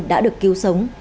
đã được cứu sống